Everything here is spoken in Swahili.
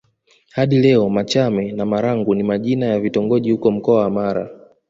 Hadi leo Machame na Marangu ni majina ya vitongoji huko Mkoa wa Mara